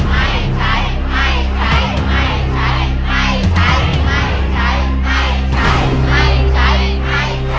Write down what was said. ไม่ใช้ไม่ใช้